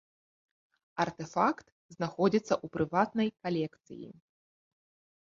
Артэфакт знаходзіцца ў прыватнай калекцыі.